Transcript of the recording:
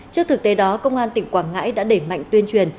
trước thực tế đó công an tỉnh quảng ngãi đã đẩy mạnh tuyên truyền